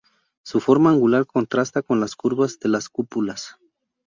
Su forma angular contrasta con las curvas de las cúpulas.